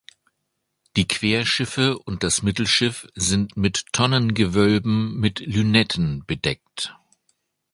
Die Querschiffe und das Mittelschiff sind mit Tonnengewölben mit Lünetten bedeckt.